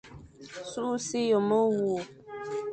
Sukh si ye mewur,